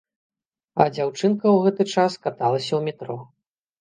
А дзяўчынка ў гэты час каталася ў метро.